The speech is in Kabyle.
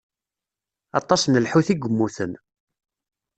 Aṭas n lḥut i yemmuten.